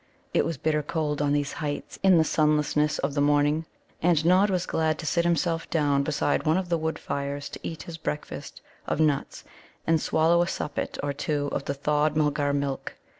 It was bitter cold on these heights in the sunlessness of morning. And Nod was glad to sit himself down beside one of the wood fires to eat his breakfast of nuts, and swallow a suppet or two of the thawed Mulgar milk.